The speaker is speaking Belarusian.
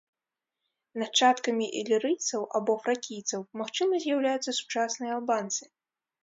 Нашчадкамі ілірыйцаў або фракійцаў магчыма з'яўляюцца сучасныя албанцы.